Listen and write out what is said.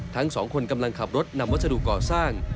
ทั้งสองคนกำลังขับรถนำวัสดุก่อสร้าง